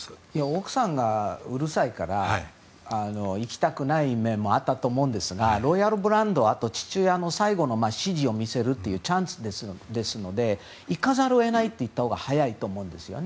奥さんがうるさいから行きたくない面もあったと思うんですがロイヤルブランドあと父親の最後の支持を見せるというチャンスですので行かざるを得ないって言ったほうが早いと思うんですよね。